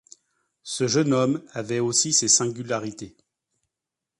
Ce jeune homme avait aussi ses singularités.